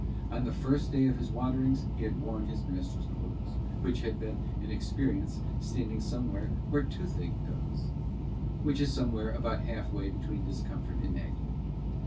On the first day of his wanderings he had worn his master's clothes, which has been an experience standing somewhat where toothache does, which is somewhere about half way between discomfort and agony.